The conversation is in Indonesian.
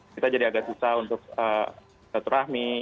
kita jadi agak susah untuk rahmi